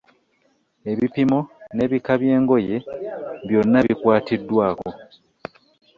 Ebipimo n’ebika by’engoye byonna bikwatiddwako.